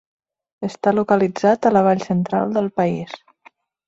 Està localitzat a la Vall Central del país.